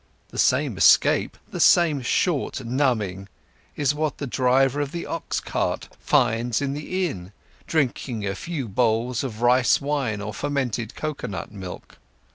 The same escape, the same short numbing is what the driver of an ox cart finds in the inn, drinking a few bowls of rice wine or fermented coconut milk.